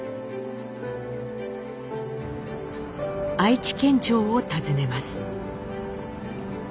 愛知県庁を訪ねます。